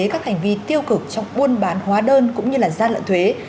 các hành vi tiêu cực trong buôn bán hóa đơn cũng như gian lận thuế